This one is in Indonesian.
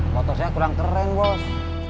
motor saya kurang keren bos